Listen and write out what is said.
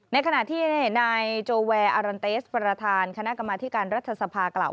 ในขณะที่นายโจแวร์อารันเตสประธานคณะกรรมธิการรัฐสภากล่าว